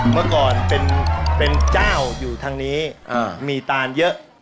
เมื่อก่อนเป็นเจ้าอยู่ทางนี้มีตานเยอะ